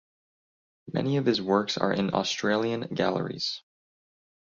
Many of his works are in Australian galleries.